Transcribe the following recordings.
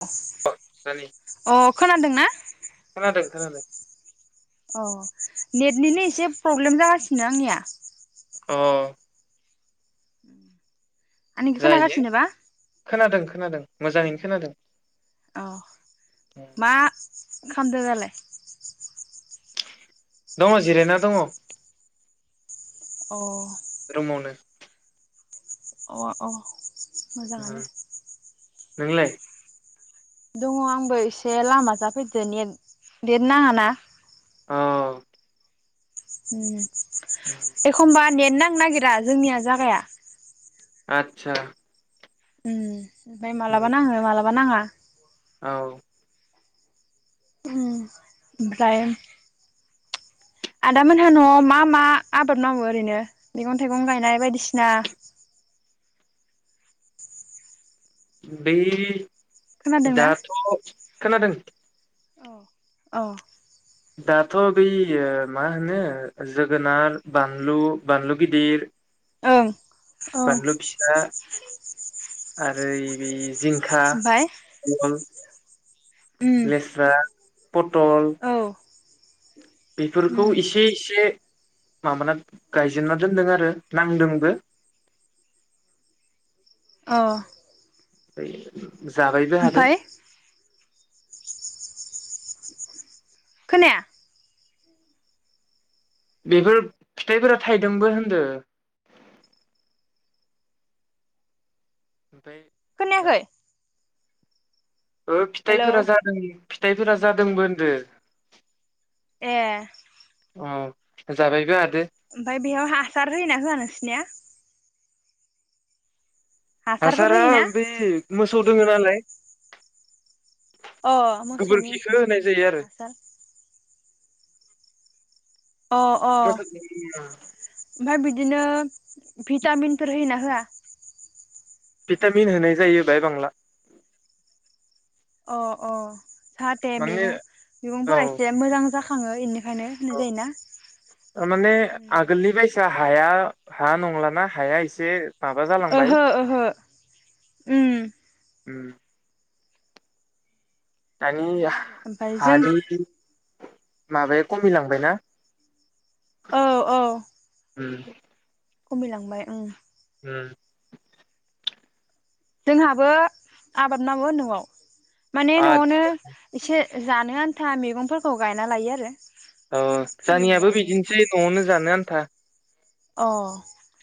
द दानि [unintelligible] अ खोनादोंना? खोनादों खोनादों अ नेटनिनो एसे प्रब्लेम जागासिनो आंनिया अ आंनिखो जायो खोनागासिनोबा? खोनादों खोनादों मोजाङैनो खोनादों। अ मा खामदो दालाय दङ जिरायना दङ। अ रुमावनो अ औ मोजाङानो नोंलाय दङ आंबो एसे लामाजा फैदो नेट नेट नाङाना औ उम एखमबा नेट नांनो नागिरा जोंनिया जागाया आतसा उम ओमफाय मालाबा नांहो माला बा नाङा औ उम ओमफ्राय आदा मोनहा न'आव मा मा आबाद मावो ओरैनो मैगं-थाइगं गायनाय बायदिसिना बै खोनादोंना दाथ खोनादों औ औ दाथ' बेै यो मा होनो जोगोनार, बानलु, बानलु गिदिर ओं औ बानलु फिसा आरो बिस जिंखा ओमफाय उम लेस्रा पटल औ बेफोरखौ उम इसे इसे माबाना गायजेनना दोनदों आरो नांदोंबो औ [unintelligible] जाबायबो हादो खोनाया बेफोर फिथाइफोरा थाइदोंबो होनदो ओमफ्राय खोनायाखै। ओ हेलौ फिथाइफोरा जादों। फिथाइफोरा जादोंबो होनदो। ए औ जाबायबो हा ओमफाय बेयाव हासार होयोना हो नोंसोरनिया? हासारफोर हासारा होयोना बै मोस सौ दोङो नालाय। अ मोसौनि गोबोरखिखौ होनाय उम जायो आरो हासार अ अ मोसौ ओमफ्राय बि दिनो भिटामिनफोर होयो ना होया? भिटामिन होनाय जायो बाय बांला। अ अ जाहाथे माने मैगं औ मैगंफोरा इसे मोजां जाखा आङो इनिफ ओंखायनो होननाय जायोना? थारमाने आगोलनि बायसा हाया हा नंलाना हाया इसे माबा जालांबाय। ओहो ओहो उम उम दानि बिदिनो आरो ओमफाय जों [unintelligible] माबाया कमिलांबायना? औ औ उम खमायलांबाय उम उम जोंहाबो आबाद मावो न'आव माने आद न'आवनो इसे जानो आन्था मेगंफोरखौ गायना लायो आरो औ फोयो जानियाबो गायो बिदिनोसै न'आवनो जानो आ न्था अ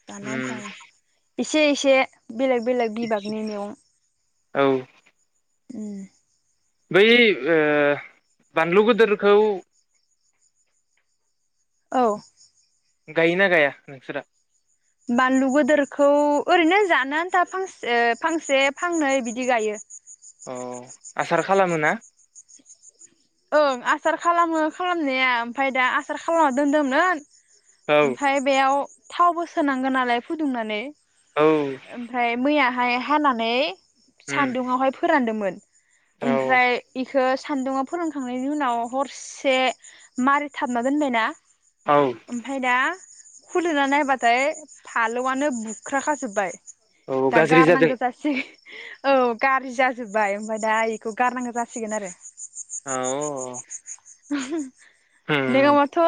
जानो आन्था इसे इसे बेलेग बेलेग बिबागनि मेगं औ उम बै ओ बानलु गोदोरखौ औ गायोना गाया नोंसोरा? बानलु गोदोरखौ ओरैनो जानो आन्था फांसे ओ फांसे फांनै बिदि गायो । अ आसार खालामोना? ओं आसार खालामो खालामनाया ओमफाय दा आसार खालामना दोनदोंमोन औ ओमफाय बेयाव थावबो सोनांगो नालाय फुदुंनानै औ ओमफ्राय मैया हाय हानानै उम सान्दुङावहाय फोरानदोमोन औ ओमफ्राय इखो सान्दुंआव फोरोंखांनायनि उनाव हरसे मारिथाबना दोनबाय ना औ ओमफाय दा खुलिना नायबाथाय फालौआनो बुख्राखाजोबबाय । औ दा गाज्रि गार जादों नांगो जासि औ गाज्रि जाजोब्बाय ओमफाय दा बेखौ गारनांगो जासिगोन आरो । औ [inaudible] उम नोङाबाथ'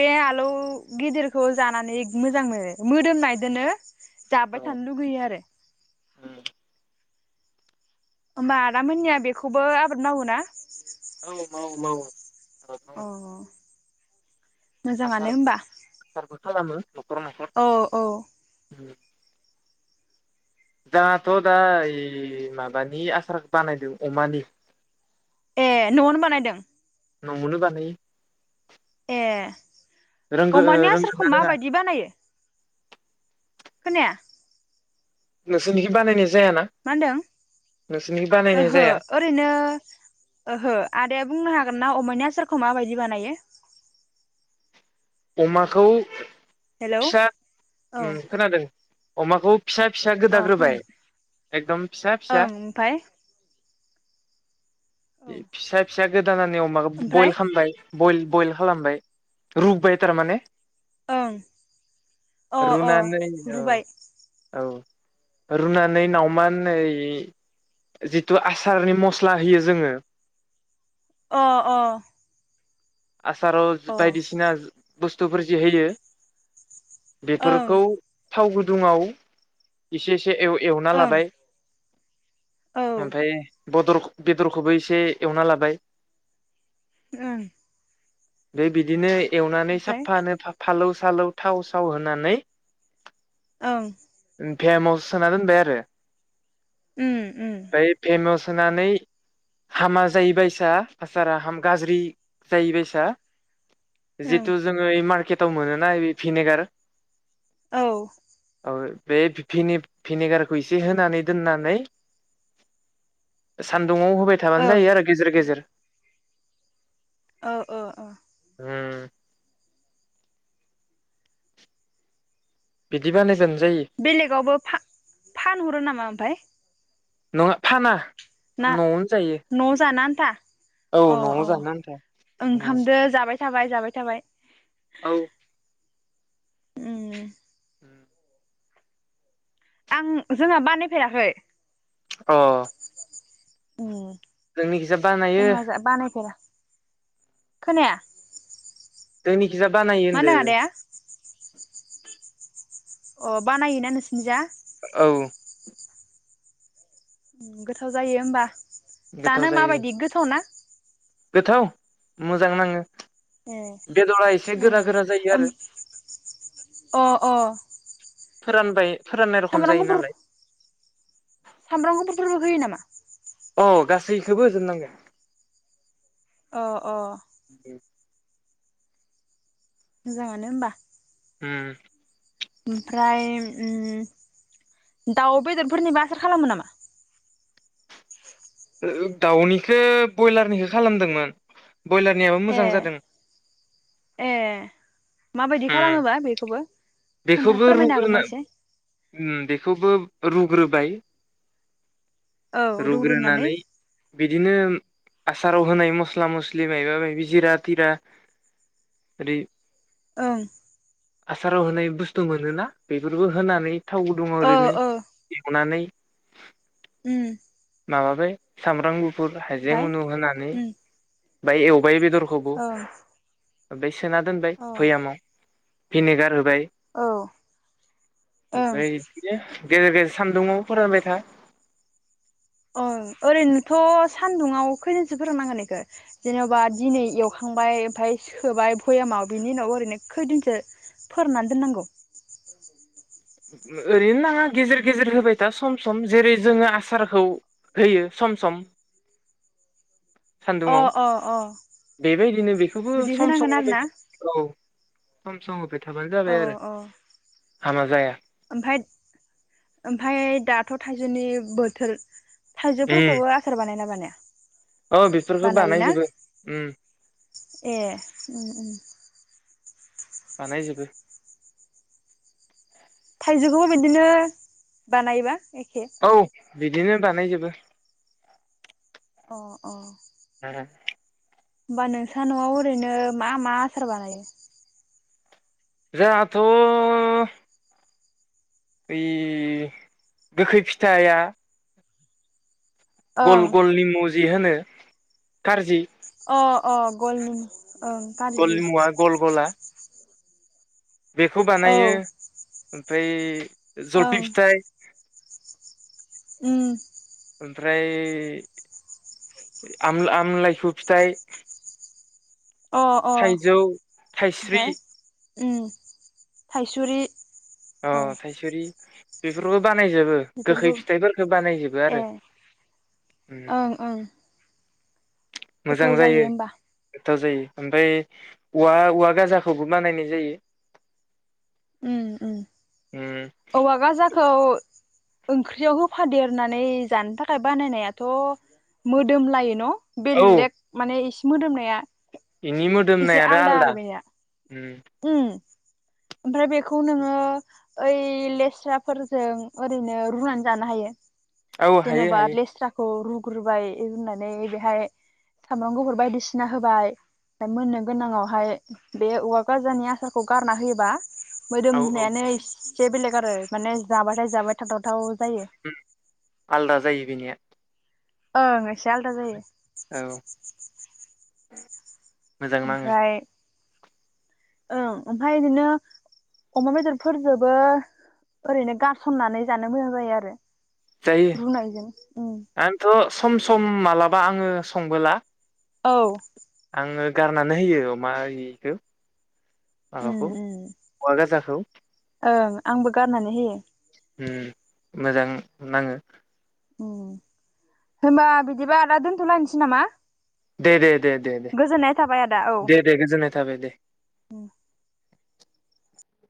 बे आलौ गिदिरखौ जानानै मोजां मोनो मोदोमनाय दोनो औ जाबाय उम थानो लुगैयो आरो । ओमबा आदा मोननिया बेखौबो आबाद मावो ना? औ मावो मावो । अ आसार मोजाङानो होमबा आसारबो खालामो। न'खर न'खर औ औ। जोंहाथ दा ओइ माबानि आसार बानायदों अमानि। ए नआवनो बानायदों। न'वावनो बानायो। ए रोंगो अमानि रोंगोना आसारखौ रोङा माबायदि बानायो। खोनाया। नोंसिनिखि बानाय [unintelligible] मा होनदों बानायनाय ओहो जाया ओरैनो ओहो आदाया बुंनो हागोन ना। ना अमाया आसारखौ माबायदि बानायो। अमाखौ। हेलौ फिसा औ उम खोनादों। अमाखौ। फिसा फिसा अ ओं गोदाग्रोबाय एकदम फिसा फिसा। ओमफाय बे फिसा। जागो। दानानै अमाखौ ओमफ्राय बयल खालामबाय। बयल बयल खालामबाय रुबाय‌। थार माने। ओं अ अ रुनानै औ रुबाय। औ रुनानै नावमान ओइ जिथु आसारनि मस्ला होयो जोङो। अ अ। आसाराव अ ओं बायदिसिना। बुस्थुफोर जि होयो। बेफोरखौ। ओं थाव गुदुङाव एसे। एसे एवना लाबाय। औ ओं ओमफ्राय। बदर बेदरखौबो एसे एवना लाबाय। ओं। बे बिदिनो। एवनानै साफानो फालौ। सालौ थाव साव होनानै। ओं फेमस। सोना दोनबाय आरो। उम उम फाय फेनस सोनानै हामा जायोबायसा आसारा हाम गाज्रि जाहैबायसा ओं जिहेथु जोङो मार्केट थाव मोनोना बे भिनेगार औ बे भिने-भिनेगारखौ एसे‌ होनानै दोननानै सान दआव होबाय थाबानो जायो आरो गेजेर ओमफ्राय गेजेर औ औ औ होम बिदि बानायजेन बेलेगावबो फान-फानहरो नामा ओमफाय नङा फाना। ना न'आवनो जायो न' जानोआन था औ अ न'आव अ जानो आन्था ओंखामदो जाबाय थाबाय जाबाय थाबाय औ उम उम आं जोंहा बानायफेराखै अ अ जोंनि गिजा बानायो खोनाया जोंनि खिजा बानाय मा होनदों आदाया अ बानायोना नोंसोनि जा औ गोथाव जायो होमबा गोथाव जानो जायो माबायदि गोथाव ना? गोथाव मोजां नाङो। ए बेदरा एसे गोरा उम गोरा जायो ओम आरो अ अ फोरानबाय फोराननाय रखम सामब्राम जायो गुफुर नालाय। सामब्राम गुफुरफोरबो होयो नामा? अ गासैखोबो होजोबनांगो। अ अ। मोजाङानो होमबा। उम। ओमफ्राय उम दाउ बेदरफोरनिबो आसार खालामो नामा? ओ ओ दाउनिखौ बयलारनिखौ खालामदोंमोन। बयलारनियाबो ए मोजां जादों ए माबायदि उम खालामोबा बेखौबो। खोन्था बेखौबो फोरमायनो हागोन ना रुग्रोना एसे उम बेखौबो। रुग्रोबाय। रुग्रोनानै बिदिनो। आसाराव होनाय मस्ला मस्लि मायबा माबि जिरा तिरा ओरै। ओं। आसाराव होनाय। बुस्थु मोनोना बेफोरखौ होनानै। थाव गुदुङाव ओ ओरैनो ओ एवनानै। उम। माबाबाय सामब्राम गुफ फुर हाइजें ओमफाय उ नु होनानै। उम बाय एवबाय बेदर औ। बे सोना दोनबाय अ भयेमाव। भिनेगार होबाय। औ ओं। ओमफ्राय बिदिनो गेजेर गेजेर सान्दुंआव फोरानबाय था। ओं ओरैनोथ सान्दुंआव खैदोनसो फोराननांगोन इखौ जेनेबा दिनै एवखांबाय ओमफाय सोबाय भयेमाव बिनि उनाव ओरैनो खैदोनसो फोराननानै दोननांगौ। ओ ओरैनो नाङा गेजेर गेजेर होबाय था सम सम जेरै जोङो आसारखौ होयो सम सम। अ सान्दुङाव अ अ बेबायदिनो बेखौबो बिदि सम सम होनांगोन आरो होबाय ना था औ। सम सम थाबानो औ जाबाय आरो। औ हामा जाया। ओमफाय ओमफाय दाथ थाइजौनि बोथोर उम थाइजौफोरखौबो आसार बानायोना बानाया? औ बेफोरखौ बानायोना बानायजोबो उम एह ओम ओम। बानायजोबो। थाइजौखौबो बिदिनो बानायोबा। एखे औ। बिदिनो बानायजोबो। अह अह। [unintelligible] होमबा नोंस्रा न'आव ओरैनो मा मा आसार बानायो? जाहाथ' ओइ गोखै फिथाइया गल ओं गल निमु जि होनो खारजि अह अह गल निमु। गल निमुवा गल गला बेखौ औ बानायो। फ्राय ओं जलपि फिथाइ, उम। ओमफ्राय आम-आमलाइखु फिथाइ, अ अ थाइजौ, थाइस्रि ओम थाइसुरि। अह औ थाइसुरि। बेफोरबो बानायजोबो गोखै बेफोरखौ फिथाइफोरखो बानायजोबो ए आरो। ओं ओं गोथाव जायो होमबा? गोथाव जायो ओमफाय औवा औवा गाजाखौबो बानायनाय जायो। उम उम। उम औवा गाजा खौ ओंख्रियाव होफादेरनानै जानो थाखाय बानायनायाथ' मोदोम लायो न'? औ बेल्लेग माने इस मोदोमनाया। इनि एसे मोदोमनायानो आलदा आरो बेनिया उम। उम। ओमफ्राय बेखौ नोङो ओइ लेस्राफोरजों ओरैनो रुनानै जानो हायो। औ हायो जेनबा हायो लेस्राखौ रु रुबाय रुनानै बेहाय सामब्राम गुफुर बायदिसिना होबाय उमफाय मोननो गोनाङावहाय बे औवा गाजानि आसारखौ गारना होयो बा मोदोम औ औ नायानो इ से बेलेग आरो माने जाबाथाय जाबाय थाथाव थाव आलदा जायो बेनिया। ओं इसे आलदा जायो। औ मोजां नाङो ओमफ्राय ओं ओमफाय इदिनो रुनायजों जायो उम आंथ' सम सम मालाबा आङो संबोला औ आङो गारनानै होयो मा इखो उम माबाखौ उम औवा गाजाखौ ओं आंबो गारनानै होयो उम मोजां नाङो उम होनबा बिदिबा आदा दोन्थ लाायसै नामा दे दे दे दे दे गोजोननाय थाबाय आदा औ दे दे गोजोननाय थाबाय दे